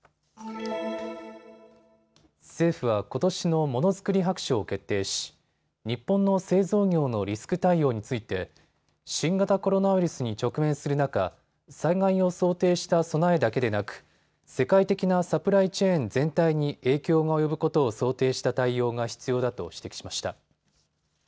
政府はことしのものづくり白書を決定し日本の製造業のリスク対応について新型コロナウイルスに直面する中、災害を想定した備えだけでなく、世界的なサプライチェーン全体に影響が及ぶことを想定した対応が必要だと指摘しました。